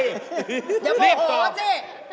อย่ามาหอดสิ